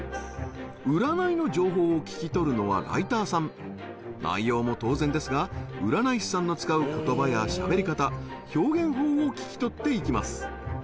占いの情報を聞き取るのはライターさん内容も当然ですが占い師さんの使う言葉や喋り方表現法を聞き取っていきます